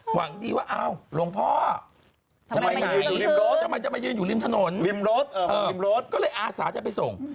หวังดีว่าโรงพ่อทำไมจะมายืนอยู่ริมรถก็เลยอาสาจะไปส่ง